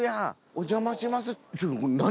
お邪魔します。